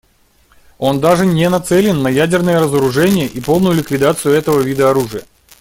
Он даже не нацелен на ядерное разоружение и полную ликвидацию этого вида оружия.